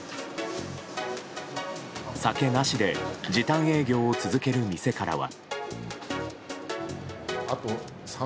酒なしで時短営業を続ける店からは。